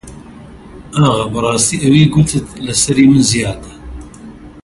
ئاغا بەڕاستی ئەوی گوتت لە سەری من زیادە